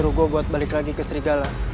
lo nyuruh gue buat balik lagi ke serigala